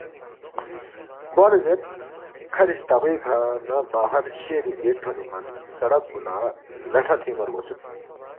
بوا لہ زیر کَھری ستاغوے کھہ نہ باہر شہری گیٹ تھونے من سڑک پو لہ لٹھا تِھنگما رگوسُوک